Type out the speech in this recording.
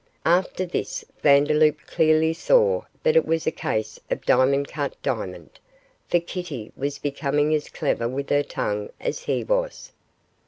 After this Vandeloup clearly saw that it was a case of diamond cut diamond, for Kitty was becoming as clever with her tongue as he was.